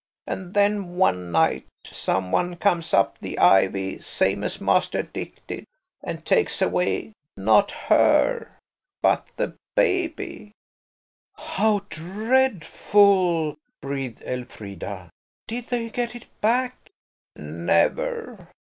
And then one night some one comes up the ivy, same as Master Dick did, and takes away–not her–but the baby." "How dreadful!" breathed Elfrida. "Did they get it back?" "Never.